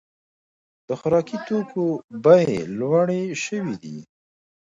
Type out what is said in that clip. د خوراکي توکو بیې لوړې شوې دي.